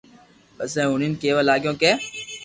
پسي ھوڻين ڪيوا لاگيو ڪي جا